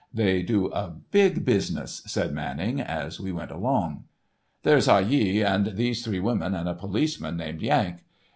They do a big business," said Manning, as we went along. "There's Ah Yeo and these three women and a policeman named Yank.